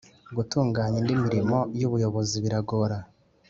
gutunganya indi mirimo y Ubuyobozi biragora